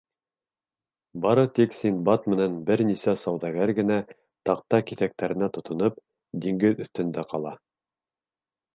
Бары тик Синдбад менән бер нисә сауҙагәр генә, таҡта киҫәктәренә тотоноп, диңгеҙ өҫтөндә ҡала.